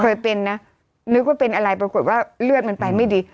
เคยเป็นนะนึกว่าเป็นอะไรปรากฏว่าเลือดมันไปไม่ดี